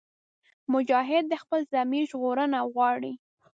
مجاهد د خپل ضمیر ژغورنه غواړي.